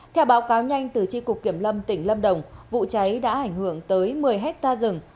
theo báo cáo nhanh từ tri cục kiểm lâm tỉnh lâm đồng vụ cháy đã ảnh hưởng tới một mươi hectare rừng